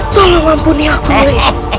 tolong mampuni aku nyai